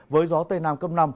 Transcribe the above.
với gió tây nam cấp năm